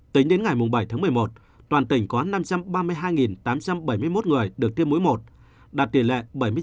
tính đến ngày bảy một mươi một toàn tỉnh có năm trăm ba mươi hai tám trăm bảy mươi một người được tiêm mũi một đạt tỷ lệ bảy mươi chín bốn mươi